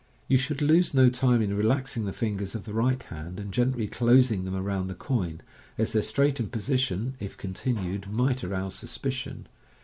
You should lose no time in relaxing the fingers of the right hand, and gently closing them around the coin, as their straightened position, if continued, might arouse suspicion.